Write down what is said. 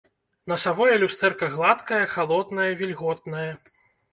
Насавое люстэрка гладкае, халоднае, вільготнае.